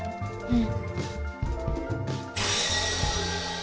うん。